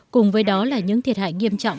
cùng với đó là những thiệt hại nghiêm trọng